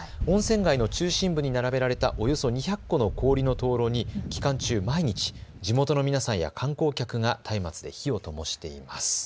温泉街の中心部に並べられたおよそ２００個の氷の灯籠に期間中毎日、地元の皆さんや観光客がたいまつで火をともしています。